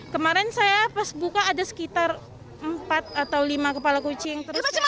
kemarin saya pas buka ada sekitar empat atau lima kepala kucing